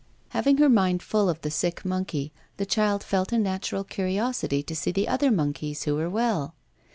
Having her mind full of the sick monkey, the child felt a natural curiosity to see the other monkeys who were well.